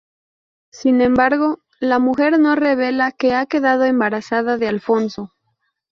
Sin embargo, la mujer no revela que ha quedado embarazada de Alfonso.